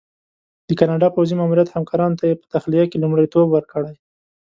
د کاناډا پوځي ماموریت همکارانو ته یې په تخلیه کې لومړیتوب ورکړی.